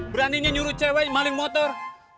beraninya nyuruh cewek maling motor